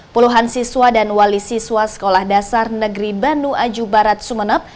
puluhan siswa dan wali siswa sekolah dasar negeri banu aju barat sumeneb